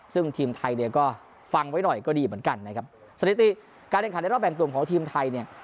ซึ่งทีมไทยเนี่ยก็ฟังไว้หน่อยก็ดีเหมือนกันนะครับสถิติการแข่งขันในรอบแบ่งกลุ่มของทีมไทยเนี่ย